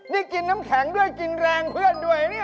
นี่กินน้ำแข็งด้วยกินแรงเพื่อนด้วยเนี่ย